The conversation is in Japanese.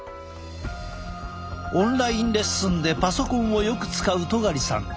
オンラインレッスンでパソコンをよく使う戸苅さん。